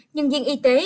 nhân viên y tế